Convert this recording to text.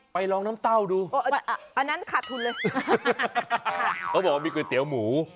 ลองน้ำเต้าดูอันนั้นขาดทุนเลยเขาบอกว่ามีก๋วยเตี๋ยวหมู